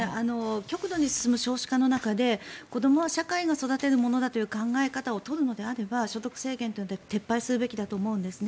極度に進む少子化の中で子どもは社会が育てるものだという考え方を取るのであれば所得制限というのは撤廃するべきだと思うんですね。